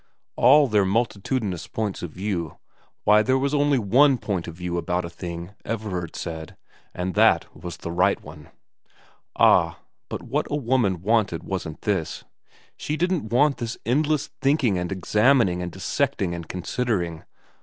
All their multitudinous points of view, why, there was only one point of view about a XI VERA 109 thing, Everard said, and that was the right one. Ah, but what a woman wanted wasn't this ; she didn't want this endless thinking and examining and dissecting and considering.